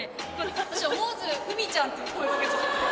私思わず「富美ちゃん」って声掛けちゃって。